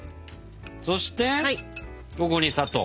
そしてここに砂糖。